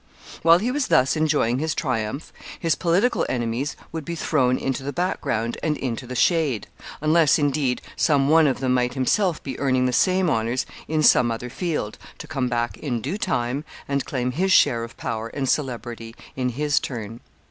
While he was thus enjoying his triumph, his political enemies would be thrown into the back ground and into the shade; unless, indeed, some one of them might himself be earning the same honors in some other field, to come back in due time, and claim his share of power and celebrity in his turn.